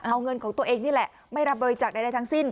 เอาเงินของตัวเองนี่แหละไม่รับบริจาคใดทั้งสิ้น